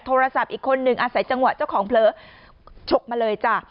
โทรศัพท์อีกคนหนึ่งอาศัยจังหวะเจ้าของเผลอฉกมาเลยจ้ะ